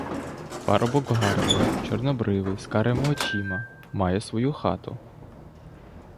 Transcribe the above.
Парубок гарний, чорнобривий, з карими очима, має свою хату.